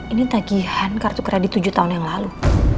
ini tagihan kartu kredit tujuh tahun yang lalu